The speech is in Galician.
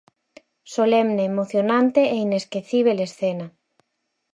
Solemne, emocionante e inesquecíbel escena.